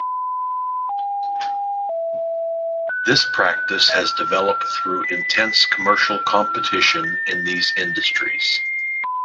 This practice has developed through intense commercial competition in these industries.